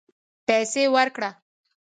پیسې ورکړه